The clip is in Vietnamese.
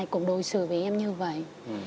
cũng đối xử với em như vậy